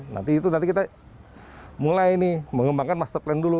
nanti itu nanti kita mulai nih mengembangkan master plan dulu